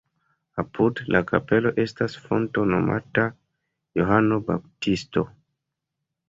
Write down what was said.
Apud la kapelo estas fonto nomata Johano Baptisto.